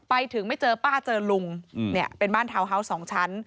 ไปถึงไม่เจอป้าเจอลุงเนี่ยเป็นบ้านทาวน์ฮาวส์๒ชั้น